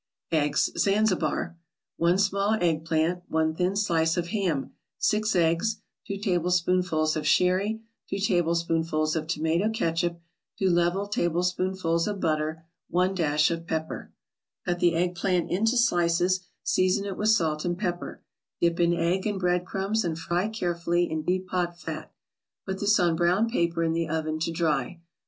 EGGS ZANZIBAR 1 small egg plant 1 thin slice of ham 6 eggs 2 tablespoonfuls of sherry 2 tablespoonfuls of tomato catsup 2 level tablespoonfuls of butter 1 dash of pepper Cut the egg plant into slices, season it with salt and pepper, dip in egg and bread crumbs and fry carefully in deep hot fat; put this on brown paper in the oven to dry.